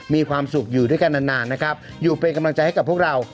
มีความสุขอยู่ด้วยกันนานนะครับอยู่เป็นกำลังใจให้กับพวกเรา